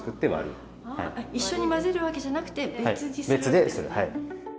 一緒に混ぜるわけじゃなくて別にするんですね。